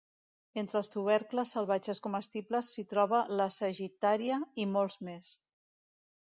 Entre els tubercles salvatges comestibles s'hi troben la sagittaria i molts més.